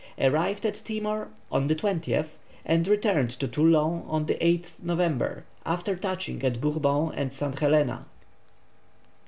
arrived at Timor on the 20th, and returned to Toulon on the 8th November, after touching at Bourbon and St. Helena.